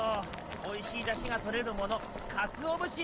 おいしいだしがとれるものかつおぶし！